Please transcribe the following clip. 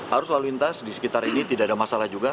harus lalu lintas di sekitar ini tidak ada masalah juga